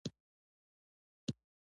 آیا د کجکي بند ظرفیت لوړ شوی دی؟